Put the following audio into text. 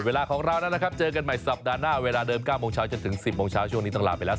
เวลาของเราแล้วนะครับเจอกันใหม่สัปดาห์หน้าเวลาเดิม๙โมงเช้าจนถึง๑๐โมงเช้าช่วงนี้ต้องลาไปแล้ว